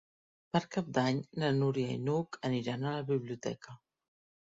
Per Cap d'Any na Núria i n'Hug aniran a la biblioteca.